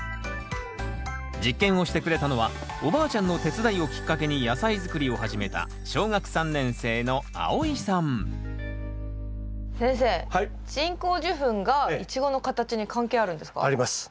実験をしてくれたのはおばあちゃんの手伝いをきっかけに野菜作りを始めた小学３年生のあおいさん先生人工授粉がイチゴの形に関係あるんですか？あります。